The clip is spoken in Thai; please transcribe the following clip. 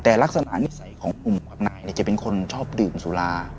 แต่ลักษณะนิสัยของกลุ่มกับนายจะเป็นคนชอบดื่มสุรา